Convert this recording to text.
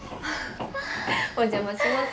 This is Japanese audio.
お邪魔します。